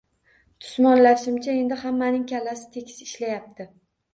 Tusmollashimcha, endi hammaning kallasi tekis ishlayapti